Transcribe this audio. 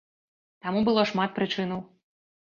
Таму было шмат прычынаў.